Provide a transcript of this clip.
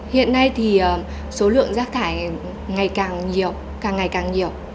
hiện nay thì số lượng rác thải ngày càng nhiều càng ngày càng nhiều